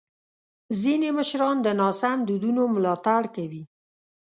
ځینې مشران د ناسم دودونو ملاتړ کوي.